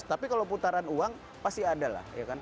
tapi kalau putaran uang pasti ada lah